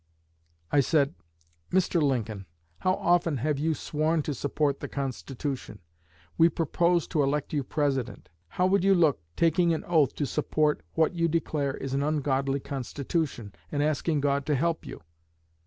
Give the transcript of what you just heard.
I said: 'Mr. Lincoln, how often have you sworn to support the Constitution? We propose to elect you President. How would you look taking an oath to support what you declare is an ungodly Constitution, and asking God to help you?'